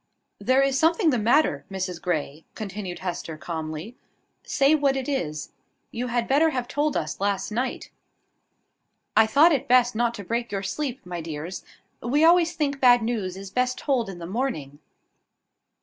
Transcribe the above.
"There is something the matter, Mrs Grey," continued Hester, calmly. "Say what it is. You had better have told us last night." "I thought it best not to break your sleep, my dears. We always think bad news is best told in the morning."